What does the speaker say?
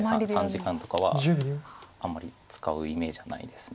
３時間とかはあんまり使うイメージがないです。